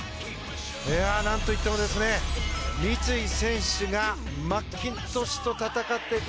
何といっても、三井選手がマッキントッシュ選手と戦っていく。